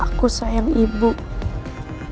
aku sayang ibu putri